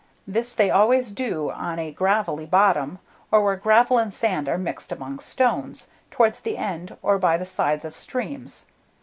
This they always do on a gravelly bottom, or where gravel and sand are mixed among stones, towards the end or by the sides of streams.